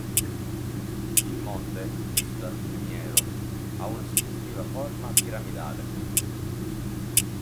Il monte, visto dal Primiero, ha una suggestiva forma piramidale.